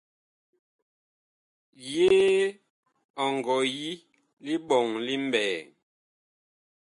Yee ɔ ngɔ yi liɓɔŋ li mɓɛɛŋ ?